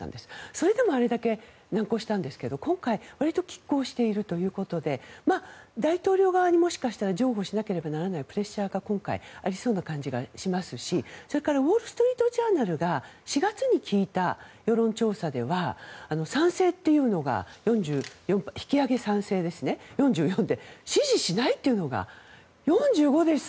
それでもあれだけ難航したんですが今回、わりときっ抗しているということで大統領側にもしかしたら譲歩しなければならないプレッシャーがありそうな感じがしますしそれからウォール・ストリート・ジャーナルが４月に聞いた世論調査では引き上げに賛成というのが４４で支持しないというのが４５です。